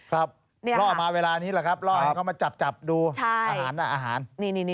ล่อออกมาเวลานี้หรือครับล่อให้เข้ามาจับดูอาหารน่ะ